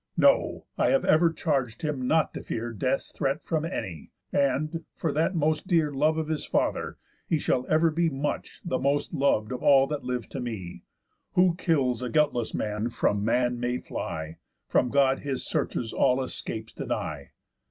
No! I have ever charg'd him not to fear Death's threat from any. And, for that most dear Love of his father, he shall ever be Much the most lov'd of all that live to me. _Who kills a guiltless man from man may fly, From God his searches all escapes deny."